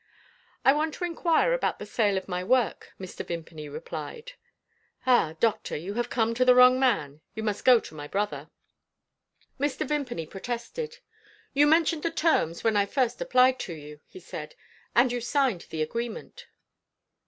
"I want to inquire about the sale of my work," Mr. Vimpany replied. "Ah, doctor, you have come to the wrong man. You must go to my brother." Mr. Vimpany protested. "You mentioned the terms when I first applied to you," he said, "and you signed the agreement."